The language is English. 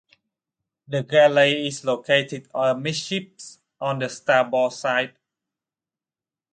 The galley is located amidships on the starboard side.